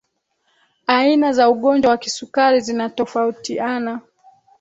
aina za ugonjwa wa kisukari zinatofautiana